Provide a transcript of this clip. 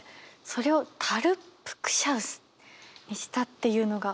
それを「タルップ・ク・シャウス」にしたっていうのが。